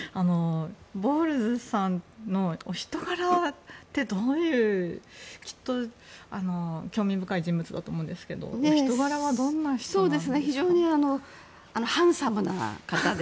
ボウルズさんのお人柄ってどういう人できっと興味深い人物だと思うんですけど、お人柄は非常にハンサムな方で。